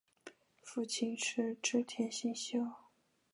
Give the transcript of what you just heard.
父亲是织田信秀。